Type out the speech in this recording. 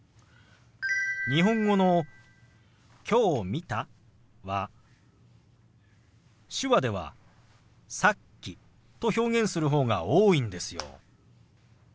日本語の「きょう見た」は手話では「さっき」と表現する方が多いんですよ。